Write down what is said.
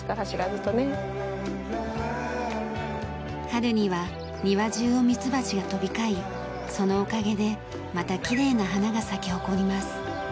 春には庭中をミツバチが飛び交いそのおかげでまたきれいな花が咲き誇ります。